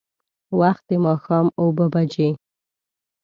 وخت د ماښام اوبه بجې.